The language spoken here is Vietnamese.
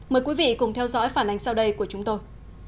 mời quý vị cùng theo dõi phản ánh sau đây của chúng tôi